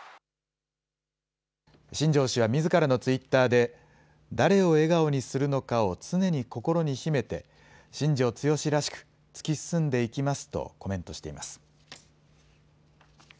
新庄氏はみずからのツイッターで誰を笑顔にするのかを常に心に秘めて新庄剛志らしく突き進んでいきますとコメントしています。